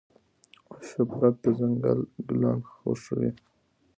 شوپرک د ځنګل ګلان خوښوي.